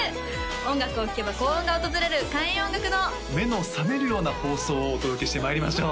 音楽を聴けば幸運が訪れる開運音楽堂目の覚めるような放送をお届けしてまいりましょう